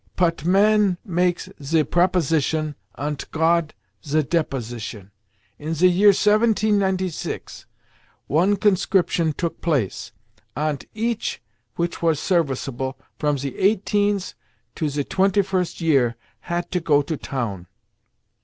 Pot—man makes ze proposition, ant Got ze deposition. In ze year 1796 one conscription took place, ant each which vas serviceable, from ze eighteens to ze twenty first year, hat to go to town.